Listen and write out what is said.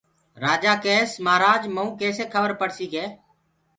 رآجآ ڪيس مهآرآج مئونٚ ڪيسي کبر پڙسيٚ ڪي